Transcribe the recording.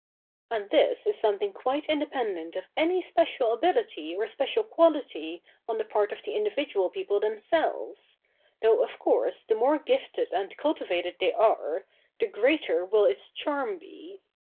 And this is something quite independent of any special ability or special quality on the part of the individual people themselves ; though of course the more gifted and cultivated they are, the greater will its charm be.'